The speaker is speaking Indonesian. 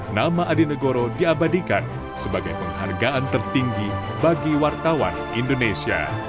nama adi negoro diabadikan sebagai penghargaan tertinggi bagi wartawan indonesia